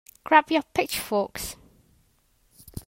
Grab your pitchforks!